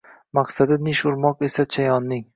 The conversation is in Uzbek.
Maqsadi nish urmoq esa chayonning